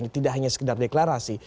tidak hanya sekedar deklarasi